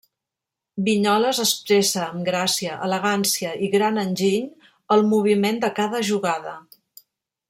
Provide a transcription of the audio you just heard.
Vinyoles expressa amb gràcia, elegància i gran enginy el moviment de cada jugada.